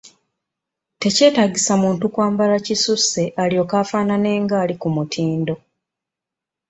Tekyetaagisa muntu kwambala kisusse olwoke afaanane ng'ali ku mutindo.